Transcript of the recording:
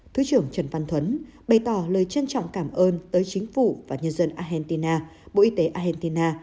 thứ trưởng trần văn thuấn bày tỏ lời trân trọng cảm ơn tới chính phủ và nhân dân argentina bộ y tế argentina